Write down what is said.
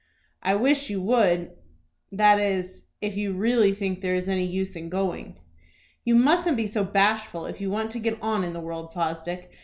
"I wish you would, that is, if you really think there is any use in going." "You mustn't be so bashful if you want to get on in the world, Fosdick.